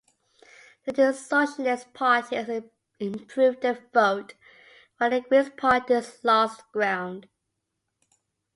The two socialist parties improved their vote, while the Green parties lost ground.